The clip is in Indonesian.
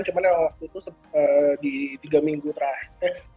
cuman yang waktu itu di tiga minggu terakhir